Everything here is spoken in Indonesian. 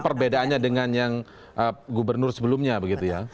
jadi itu perbedaannya dengan yang gubernur sebelumnya begitu ya